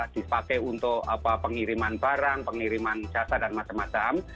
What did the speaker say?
dipakai untuk pengiriman barang pengiriman jasa dan macam macam